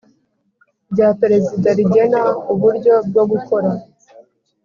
Rya perezida rigena uburyo bwo gukora